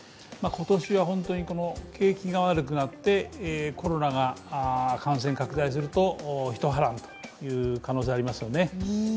今年は景気が悪くなってコロナが感染拡大すると、ひと波乱の可能性はありますよね。